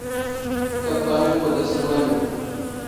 ⴽⴽⴰⵟⵟⴰⵏ ⵉⵇⵇⵓⴷⴰⵙ ⵏ ⵡⴰⵎⴰⵏ.